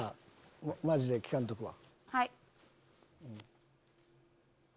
マジで聞かんとくわ。